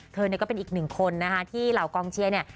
เธอเนี่ยก็เป็นอีกหนึ่งคนนะคะที่เหล่ากองเชียร์เนี่ย